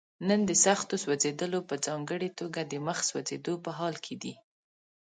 نن د سختو سوځېدلو په ځانګړي توګه د مخ سوځېدو په حال کې دي.